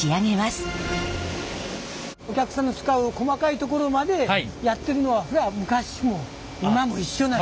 お客さんの使う細かいところまでやってるのは昔も今も一緒なんや。